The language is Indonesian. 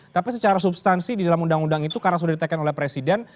tapi secara substansi di dalam undang undang itu karena sudah ditekan oleh presiden